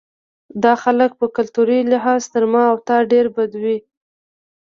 دا خلک په کلتوري لحاظ تر ما او تا ډېر بدوي وو.